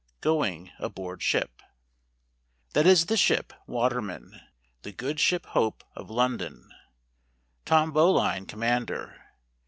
Going aboard Ship. That is the ship, Waterman.—The good ship Hope, of London, Tom Bowline commander.